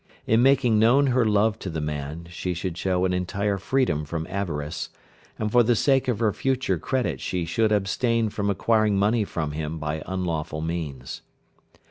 In making known her love to the man she should show an entire freedom from avarice, and for the sake of her future credit she should abstain from acquiring money from him by unlawful means.